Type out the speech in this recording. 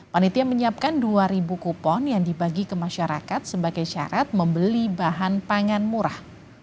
panitia menyiapkan dua ribu kupon yang dibagi ke masyarakat sebagai syarat membeli bahan pangan murah